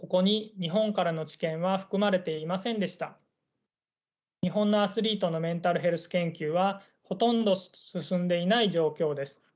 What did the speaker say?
日本のアスリートのメンタルヘルス研究はほとんど進んでいない状況です。